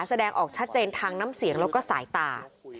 แสดงออกชัดเจนทางน้ำเสียงแล้วก็สายตา